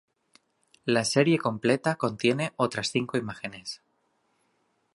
La serie completa contiene otras cinco imágenes.